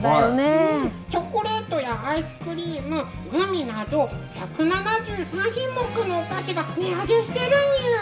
チョコレートやアイスクリームグミなど、１７３品目もお菓子が値上げしているにゅ。